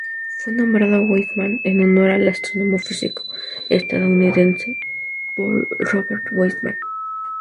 Fue nombrado Weissman en honor al astrónomo y físico estadounidense Paul Robert Weissman.